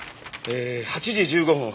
８時１５分